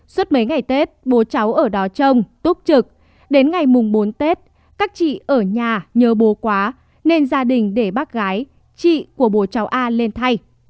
suốt mấy ngày tết bố cháu ở đó trông túc trực đến ngày mùng bốn tết các chị ở nhà nhớ bố quá nên gia đình để bác gái chị của bố cháu a lên thay